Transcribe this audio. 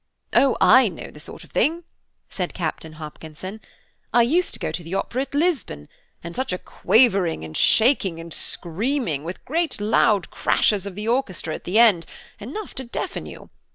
"Oh, I know the sort of thing," said Captain Hopkinson, "I used to go to the Opera at Lisbon, and such a quavering, and shaking, and screaming, with great loud crashes of the orchestra at the end, enough to deafen you.